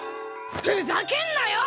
ふざけんなよ！